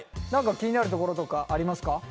何か気になるところとかありますか？